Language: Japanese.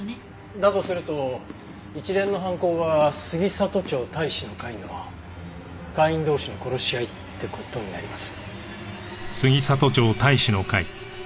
だとすると一連の犯行は杉里町隊士の会の会員同士の殺し合いって事になります。